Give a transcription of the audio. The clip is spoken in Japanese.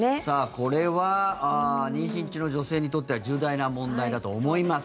これは妊娠中の女性にとっては重大な問題だと思います。